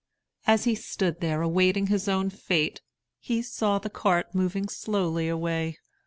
As he stood there awaiting his own fate, he saw the cart moving slowly away.